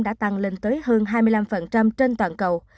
đã tăng lên tới hơn hai mươi năm trên toàn cầu